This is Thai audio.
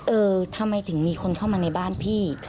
เออทำไมถึงมีคนเข้ามาในบ้านพี่